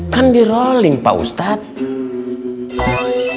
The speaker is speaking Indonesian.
kan di rolling pak ustadz